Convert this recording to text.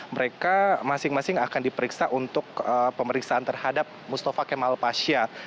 mereka masing masing akan diperiksa untuk pemeriksaan terhadap mustafa kemal pasha